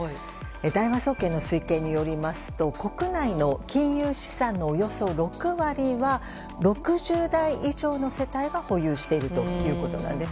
大和総研の推計によりますと国内の金融資産のおよそ６割は６０代以上の世帯が保有しているということです。